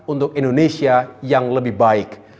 untuk indonesia yang lebih baik